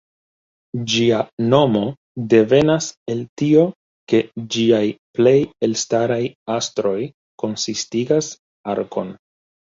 Ĝia nomo devenas el tio, ke ĝiaj plej elstaraj astroj konsistigas arkon.